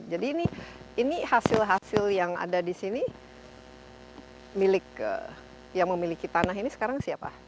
jadi ini hasil hasil yang ada di sini yang memiliki tanah ini sekarang siapa